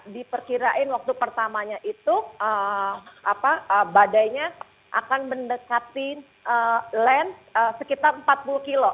diperkirain waktu pertamanya itu badainya akan mendekati land sekitar empat puluh kilo